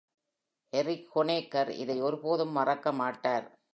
Eric Honecker இதை ஒருபோதும் மறக்க மாட்டார்.